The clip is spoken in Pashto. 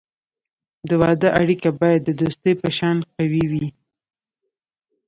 د واده اړیکه باید د دوستی په شان قوي وي.